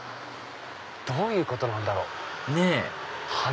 どういうことなんだろう？ねぇ花？